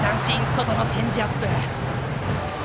外のチェンジアップ。